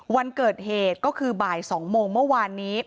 วันเกิดเหตุก็คือบ่าย๒โมงเมื่อวานนี้